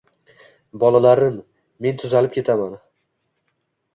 “Bolalarim, men tuzalib ketaman